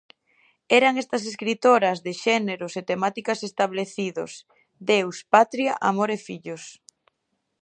Eran estas escritoras de xéneros e temáticas establecidos: "Deus, patria, amor e fillos".